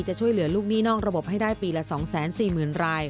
จะช่วยเหลือลูกหนี้นอกระบบให้ได้ปีละ๒๔๐๐๐ราย